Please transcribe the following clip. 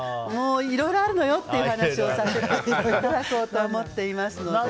いろいろあるのよっていう話をさせていただこうと思っていますので。